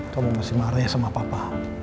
kamu masih marah ya sama papa